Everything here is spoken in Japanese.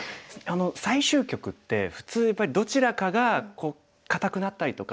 最終局って普通やっぱりどちらかが硬くなったりとか。